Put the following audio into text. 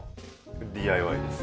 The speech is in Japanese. ＤＩＹです。